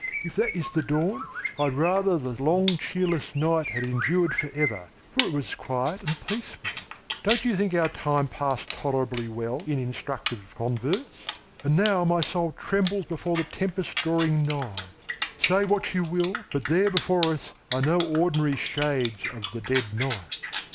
If that is the dawn, I would rather the long cheerless night had endured forever, for it was quiet and peaceful. Don't you think our time passed tolerably well in instructive converse? And now my soul trembles before the tempest drawing nigh. Say what you will, but there before us are no ordinary shades of the dead night."